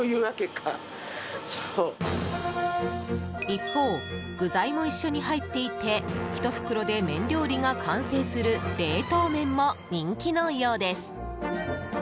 一方、具材も一緒に入っていて１袋で麺料理が完成する冷凍麺も人気のようです。